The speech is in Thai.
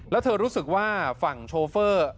แล้วเธอรู้สึกว่าฝั่งโชเฟอร์